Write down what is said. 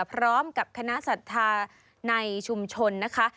พร้อมกับคณะศรัทธาในชุมชนนะคะ